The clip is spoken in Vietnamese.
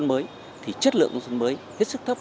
nông thôn mới thì chất lượng nông thôn mới hết sức thấp